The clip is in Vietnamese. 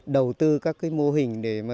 đầu tư các mô hình để giảm nghèo